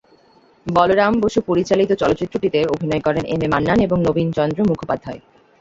বলরাম বসু পরিচালিত চলচ্চিত্রটিতে অভিনয় করেন এম এ মান্নান এবং নবীনচন্দ্র মুখোপাধ্যায়।